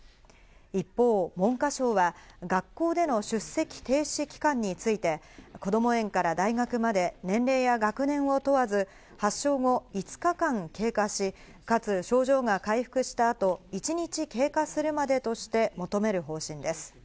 一方、文科省は学校での出席停止期間について、こども園から大学まで年齢や学年を問わず、発症後５日間経過し、かつ、症状が回復したあと、一日経過するまでとして求める方針です。